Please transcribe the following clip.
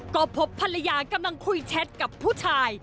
ก็พบภรรยากำลังคุยแชทกับผู้ชาย